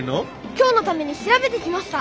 今日のために調べてきました。